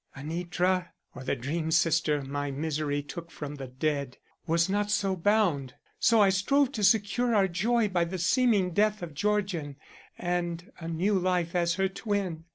Anitra, or the dream sister my misery took from the dead, was not so bound, so I strove to secure our joy by the seeming death of Georgian and a new life as her twin.